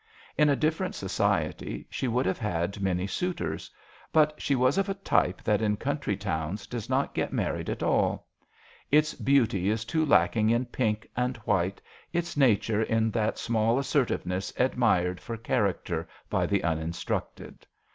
In a different society she would have had many suitors. But she was ot a type that in country towns does not get married at all. Its beauty is too lacking in pink and white, its nature in that small assertiveness admired for cha racter by the unin structed.